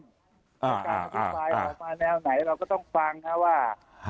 การอธิบายเรามาแนวไหนเราก็ต้องฟังนะว่า